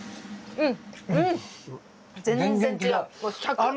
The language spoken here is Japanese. うん。